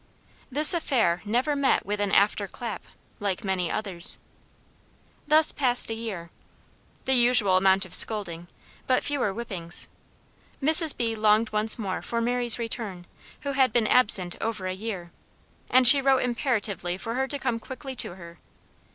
This affair never met with an "after clap," like many others. Thus passed a year. The usual amount of scolding, but fewer whippings. Mrs. B. longed once more for Mary's return, who had been absent over a year; and she wrote imperatively for her to come quickly to her.